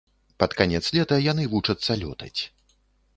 Пад канец лета яны вучацца лётаць.